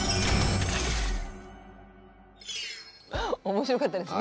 面白かったですね。